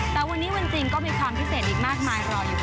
แต่วันนี้วันจริงก็มีความพิเศษอีกมากมายรออยู่